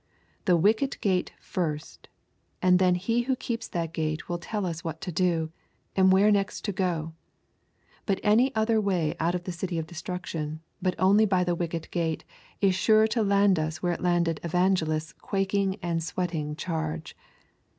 The wicket gate first, and then He who keeps that gate will tell us what to do, and where next to go; but any other way out of the City of Destruction but by the wicket gate is sure to land us where it landed Evangelist's quaking and sweating charge.